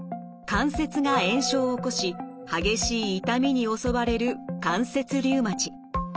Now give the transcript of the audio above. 関節が炎症を起こし激しい痛みに襲われる関節リウマチ。